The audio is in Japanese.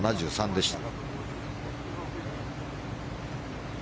７３でした。